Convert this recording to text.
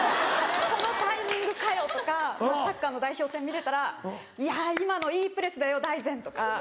「このタイミングかよ！」とかサッカーの代表戦見てたら「いや今のいいプレスだよ大然！」とか。